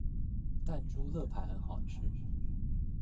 但豬肋排很好吃